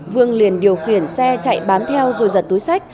vương liền điều khiển xe chạy bám theo rồi giật túi sách